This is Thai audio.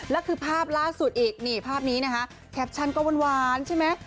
แล้วคือภาพล่าสุดอีกนี่ภาพนี้นะคะแคปชั่นก็หวานใช่ไหม